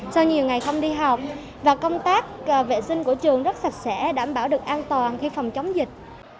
sau nhiều ngày không đi học và công tác vệ sinh của trường rất sạch sẽ đảm bảo được an toàn khi phòng chống dịch